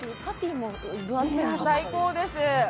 最高です。